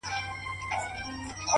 ژمن انسان د خنډونو تر شا نه دریږي!